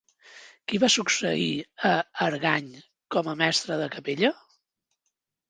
Qui va succeir a Argany com a mestre de capella?